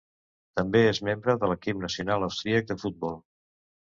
També és membre de l'equip nacional austríac de futbol.